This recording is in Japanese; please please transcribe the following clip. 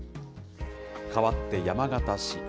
かわって山形市。